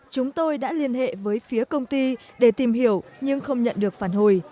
chúng tôi đã liên hệ với phía công ty để tìm hiểu nhưng không nhận được phản hồi